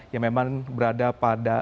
yang memang berada pada